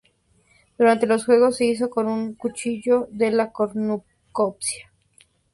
Durante los Juegos, se hizo con un cuchillo de la Cornucopia.